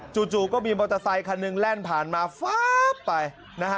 จู่ก็มีมอเตอร์ไซคันหนึ่งแล่นผ่านมาฟ้าไปนะฮะ